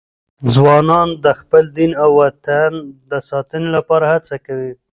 ځوانان د خپل دین او وطن د ساتنې لپاره هڅه کوي.